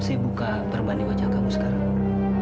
saya buka perbanding wajah kamu sekarang